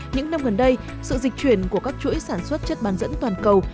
những năm gần đây sự dịch chuyển của các chuỗi sản xuất chất bàn dẫn toàn cầu